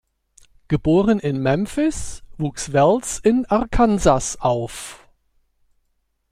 Geboren in Memphis, wuchs Wells in Arkansas auf.